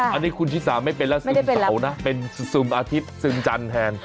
อันนี้คุณชิสาไม่เป็นแล้วซึมเสานะเป็นซึมอาทิตย์ซึมจันทร์แทน